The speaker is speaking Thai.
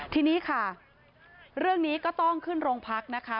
ทีนี้ค่ะเรื่องนี้ก็ต้องขึ้นโรงพักนะคะ